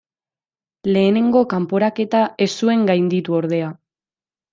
Lehenengo kanporaketa ez zuen gainditu ordea.